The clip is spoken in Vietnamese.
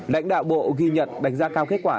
lãnh đạo bộ ghi nhận đánh giá cao kết quả